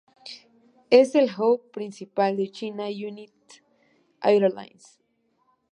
Es el "hub" principal de China United Airlines.